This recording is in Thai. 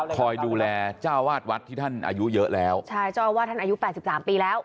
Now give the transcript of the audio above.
คอยดูแลเจ้าวาดวัดที่ท่านอายุเยอะแล้วใช่เจ้าอาวาสท่านอายุแปดสิบสามปีแล้ว